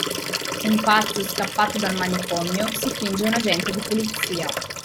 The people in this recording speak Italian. Un pazzo scappato dal manicomio si finge un agente di polizia.